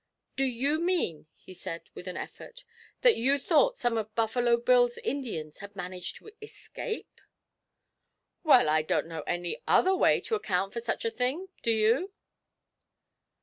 'Do you mean,' he said, with an effort, 'that you thought some of Buffalo Bill's Indians had managed to escape?' 'Well, I don't know any other way to account for such a thing. Do you?'